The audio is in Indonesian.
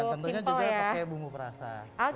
dan tentunya juga pakai bumbu perasa